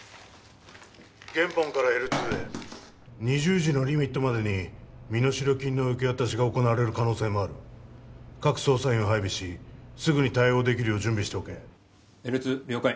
現本からＬ２へ２０時のリミットまでに身代金の受け渡しが行われる可能性もある各捜査員を配備しすぐに対応できるよう準備しておけＬ２了解